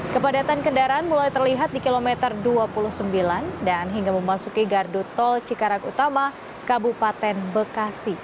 kepadatan kendaraan mulai terlihat di kilometer dua puluh sembilan dan hingga memasuki gardu tol cikarang utama kabupaten bekasi